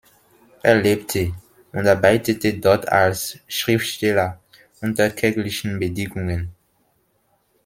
Er lebte und arbeitete dort als Schriftsteller unter kärglichen Bedingungen.